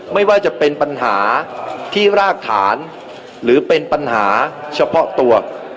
ไม่ว่าจะเป็นปัญหาที่รากฐานหรือเป็นปัญหาเฉพาะตัว